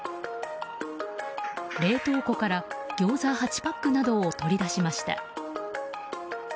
冷凍庫からギョーザ８パックなどを取り出しました。